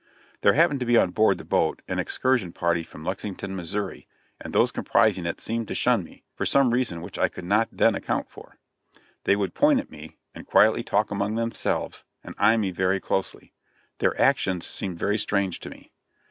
There happened to be on board the boat an excursion party from Lexington, Missouri, and those comprising it seemed to shun me, for some reason which I could not then account for. They would point at me, and quietly talk among themselves, and eye me very closely. Their actions seemed very strange to me.